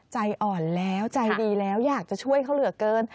ใจอ่อนแล้วใจดีแล้วอยากจะช่วยเขาเหลือเกิน